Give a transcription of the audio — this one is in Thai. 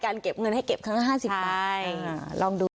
การเก็บเงินให้เก็บขึ้น๕๐บาทลองดู